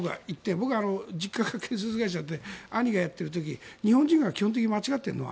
僕は実家が建設会社で兄がやっている時に日本人が基本的に間違っているのは